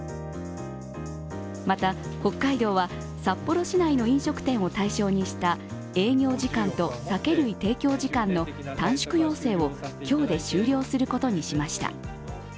また北海道は札幌市内の飲食店を対象にした営業時間と酒類提供時間の短縮要請を今日で終了することにしました。